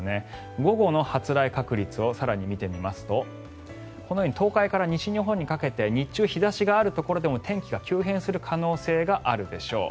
午後の発雷確率を更に見てみますと東海から西日本にかけて日中、日差しがあるところでも天気が急変する可能性があるでしょう。